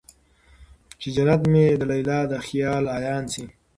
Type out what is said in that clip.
چې جنت مې د ليلا د خيال عيان شي